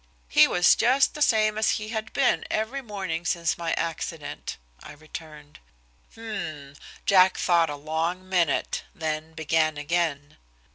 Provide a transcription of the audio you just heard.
"He was just the same as he had been every morning since my accident," I returned. "H m." Jack thought a long minute, then began again.